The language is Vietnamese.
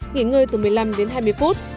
nghỉ ngơi từ một mươi năm đến hai mươi phút